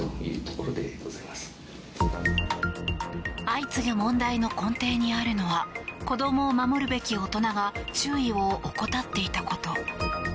相次ぐ問題の根底にあるのは子どもを守るべき大人が注意を怠っていたこと。